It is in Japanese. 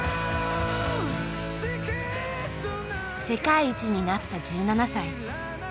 世界一になった１７歳。